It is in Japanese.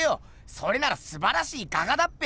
それならすばらしい画家だっぺよ！